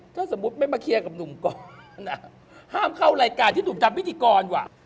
ถ้าสมมุติไม่มาเคลียร์กับหนุ่มก่อนห้ามเข้ารายการที่หนุ่มทำพิธีกรว่ะ